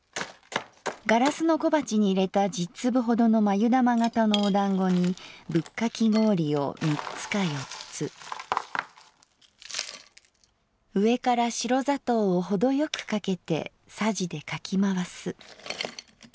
ガラスの小鉢にいれた十粒ほどのまゆだま型のおだんごにブッカキ氷を三つか四つ上から白砂糖をほどよくかけて匙でかきまわす」。